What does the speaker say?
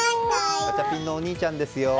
ガチャピンのお兄ちゃんですよ！